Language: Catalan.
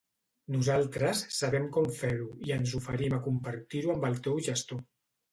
Nosaltres sabem com fer-ho i ens oferim a compartir-ho amb el teu gestor.